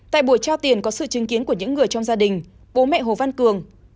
tại buổi trao tiền có sự chứng kiến của những người trong gia đình bố mẹ hồ văn cường